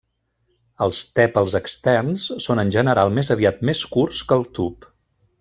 Els tèpals externs són en general més aviat més curts que el tub.